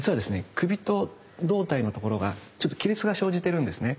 首と胴体のところがちょっと亀裂が生じてるんですね。